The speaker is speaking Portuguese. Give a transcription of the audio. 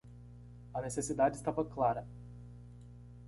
A necessidade estava clara